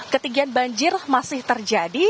ketinggian banjir masih terjadi